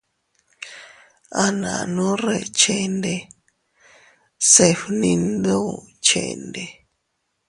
A nannu reʼe chende se fninduu chende.